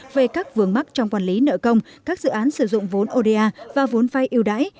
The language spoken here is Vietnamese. về các vườn mắt trong quản lý nợ công các dự án sử dụng vốn oda và vốn phai yêu đáy